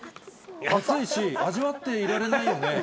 熱いし、味わっていられないよね？